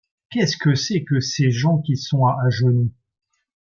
Qu’est-ce que c’est que ces gens qui sont à genoux?